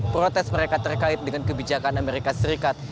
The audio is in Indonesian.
protes mereka terkait dengan kebijakan amerika serikat